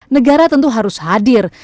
negara tentu harus hadir